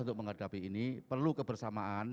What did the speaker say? untuk menghadapi ini perlu kebersamaan